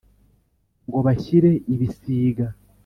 ngo bashyire ibisiga